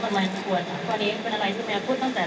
แล้วก็อยากจะให้คน